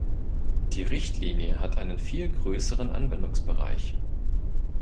Die Richtlinie hat einen viel größeren Anwendungsbereich.